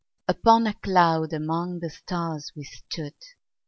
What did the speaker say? Upon a cloud among the stars we stood.